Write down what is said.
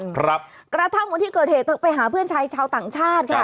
กระทั่งวันที่เกิดเหตุเธอไปหาเพื่อนชายชาวต่างชาติค่ะ